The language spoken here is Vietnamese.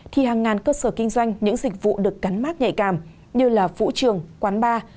thì hàng ngàn cơ sở kinh doanh những dịch vụ được cắn mát nhạy càm như phủ trường quán bar